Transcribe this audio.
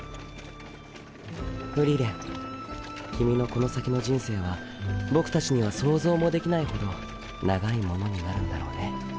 フリーレン君のこの先の人生は僕たちには想像もできないほど長いものになるんだろうね。